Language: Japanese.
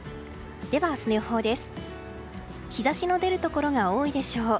では、明日の予報です。